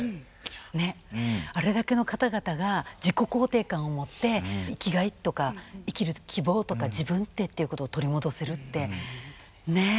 ねっあれだけの方々が自己肯定感を持って生きがいとか生きる希望とか自分ってっていうことを取り戻せるってねえ